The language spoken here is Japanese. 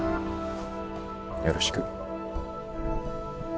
よろしく。